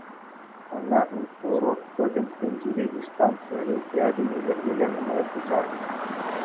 Ӑна «Инфоурок» пӗтӗм тӗнчери дистанци олимпиадине йӗркеленӗ май пуҫарнӑ.